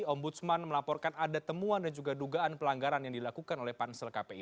ombudsman melaporkan ada temuan dan juga dugaan pelanggaran yang dilakukan oleh pansel kpi